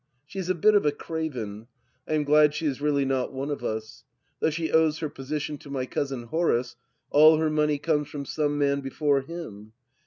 She is a bit of a craven. I am glad she is really not one of us. Though she owes her position to my Cousin Horace, all her money comes from some man before him.